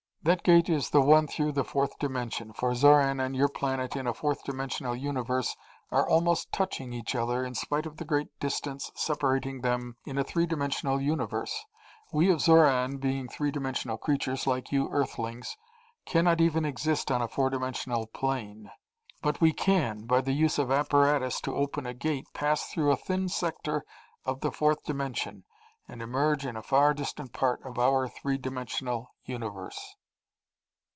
"That gate is the one through the fourth dimension, for Xoran and your planet in a four dimensional universe are almost touching each other in spite of the great distance separating them in a three dimensional universe. We of Xoran, being three dimensional creatures like you Earthlings, can not even exist on a four dimensional plane. But we can, by the use of apparatus to open a Gate, pass through a thin sector of the fourth dimension and emerge in a far distant part of our three dimensional universe.